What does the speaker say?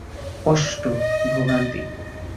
কষ্ট, ভোগান্তি!